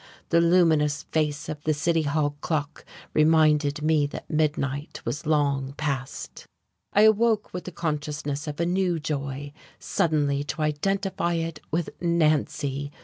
The luminous face of the city hall clock reminded me that midnight was long past.... I awoke with the consciousness of a new joy, suddenly to identify it with Nancy.